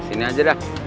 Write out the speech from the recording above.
sini aja dah